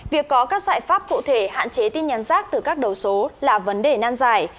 việc có các giải pháp cụ thể hạn chế tin nhắn rác từ các đầu số là vấn đề nan dài